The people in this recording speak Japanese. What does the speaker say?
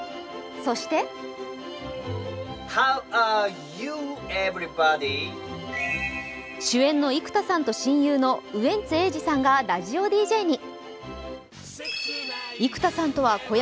そして主演の生田さんさんと親友のウエンツ瑛士さんとラジオに。